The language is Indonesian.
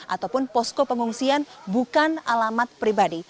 ataupun posko pengungsian bukan alamat pribadi